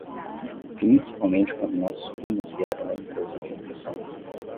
Principalmente quando nossos primos vieram da empresa de impressão.